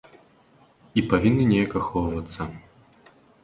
І павінны неяк ахоўвацца.